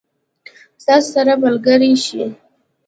ستاسو سره به ملګري شي.